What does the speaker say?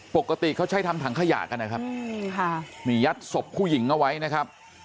ปกติเขาใช้ทำถังขยะกันนะครับนี่ยัดศพผู้หญิงเอาไว้นะครับ